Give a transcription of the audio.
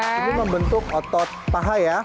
ini membentuk otot paha ya